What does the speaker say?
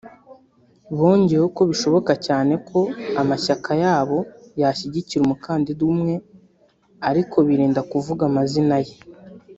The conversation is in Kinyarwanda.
Bongeyeho ko bishoboka cyane ko amashyaka yabo yazashyigikira umukandida umwe ariko birinda kuvuga amazina ye